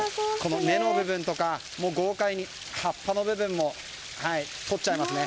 根の部分とか葉っぱの部分も豪快に取っちゃいますね。